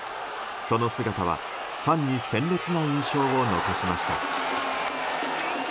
その姿は、ファンに鮮烈な印象を残しました。